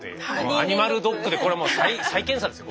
「アニマルドック」でこれはもう再検査ですよ